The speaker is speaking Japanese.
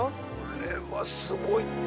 これはすごい。